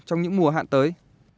trong những mùa hạn tới